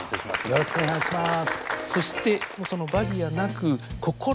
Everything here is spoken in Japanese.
よろしくお願いします。